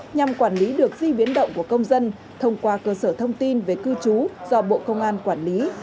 nhằm quản lý được di biến động của công dân thông qua cơ sở thông tin về cư trú do bộ công an quản lý